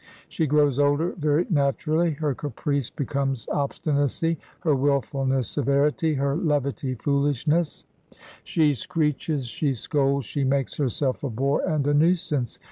She grows older very naturally; her caprice becomes ob stinacy, her wilfulness severity, her levity foolishness; she screeches, she scolds, she makes herself a bore and a nuisance.